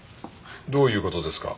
どういう事ですか？